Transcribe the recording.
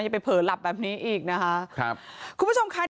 อย่าไปเผลอหลับแบบนี้อีกนะคะครับ